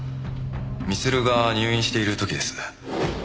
光留が入院している時です。